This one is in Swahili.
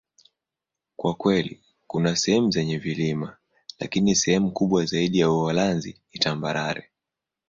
Kwa kweli, kuna sehemu zenye vilima, lakini sehemu kubwa zaidi ya Uholanzi ni tambarare.